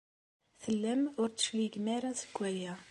Tellam ur d-tecligem ara seg waya.